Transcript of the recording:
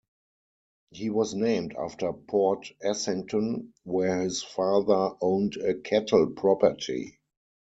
He was named after Port Essington, where his father owned a cattle property.